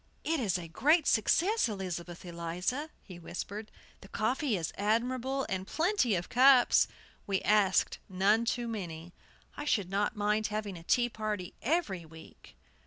"It's a great success, Elizabeth Eliza," he whispered. "The coffee is admirable, and plenty of cups. We asked none too many. I should not mind having a tea party every week."